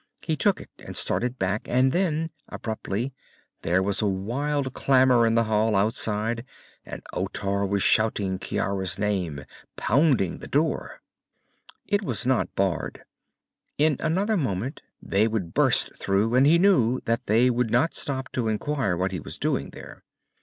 He took it and started back, and then, abruptly, there was a wild clamor in the hall outside and Otar was shouting Ciara's name, pounding on the door. It was not barred. In another moment they would burst through, and he knew that they would not stop to enquire what he was doing there.